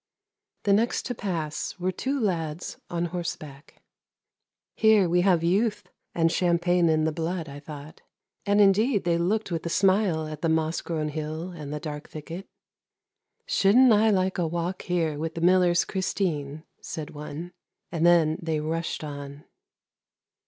The next to pass were two lads on horseback. Here we have youth and champagne in the blood, I thought. And indeed they looked with a smile at the moss grown hill and the dark thicket. ' Shouldn't I like a walk here with the miller's Christine! ' said one, and then they rushed on.